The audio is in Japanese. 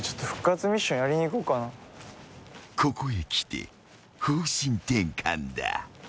［ここへきて方針転換だ］